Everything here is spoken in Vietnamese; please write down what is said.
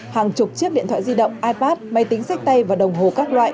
hàng chục chiếc điện thoại di động ipad máy tính sách tay và đồng hồ các loại